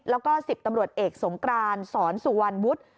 แล้วก็๑๐ตำรวจเอกสงกรานสอนสุวรรณวุฒิ